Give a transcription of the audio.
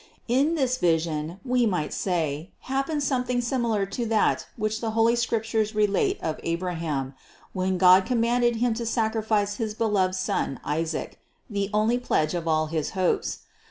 In this vision, we might say, happened something similar to that which the holy Scriptures relate of Abraham, when God commanded him to sacrifice his beloved son Isaac, the only pledge of all his hopes.